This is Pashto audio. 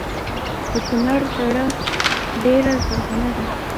د کونړ دره ډیره زرغونه ده